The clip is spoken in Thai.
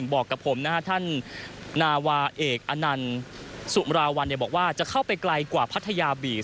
บอกกับผมนะฮะท่านนาวาเอกอนันต์สุมราวัลบอกว่าจะเข้าไปไกลกว่าพัทยาบีช